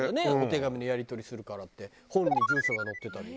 手紙のやり取りするからって本に住所が載ってたり。